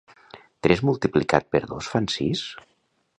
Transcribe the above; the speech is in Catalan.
Tres multiplicat per dos fan sis?